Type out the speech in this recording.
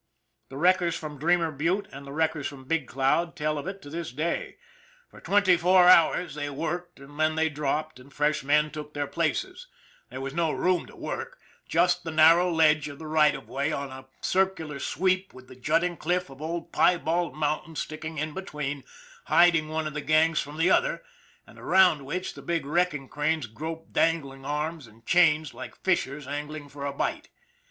The wreckers from Dreamer Butte and the wreckers from Big Cloud tell of it to this day. For twenty four hours they worked and then they dropped and fresh men took their places. There was GUARDIAN OF THE DEVIL'S SLIDE 167 no room to work just the narrow ledge of the right of way on a circular sweep with the jutting cliff of Old Piebald Mountain sticking in between, hiding one of the gangs from the other, and around which the big wrecking cranes groped dangling arms and chains like fishers angling for a bite.